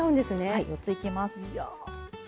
はい４ついきます。